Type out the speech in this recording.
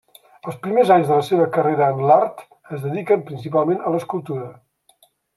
Els primers anys de la seva carrera en l’art es dediquen principalment a l’escultura.